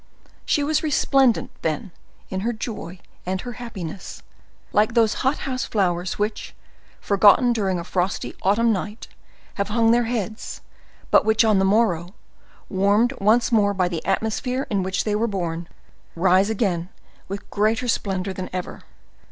She was resplendent, then, in her joy and her happiness,—like those hot house flowers which, forgotten during a frosty autumn night, have hung their heads, but which on the morrow, warmed once more by the atmosphere in which they were born, rise again with greater splendor than ever.